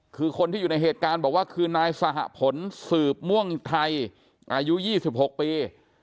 คือคนที่อยู่ในเหตุการณ์บอกว่าคือนายสหผลสืบม่วงไทยอายุ๒๖ปี